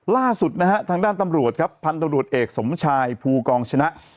ล่าสุดนะฮะทางด้านตำรวจครับพันธบรวจเอกสมชายภูกองชนะ